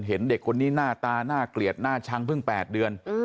เห็นเด็กคนนี้หน้าตาน่าเกลียดหน้าชังเพิ่ง๘เดือน